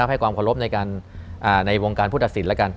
ให้ความขอรบในวงการพุทธศิลป์แล้วกัน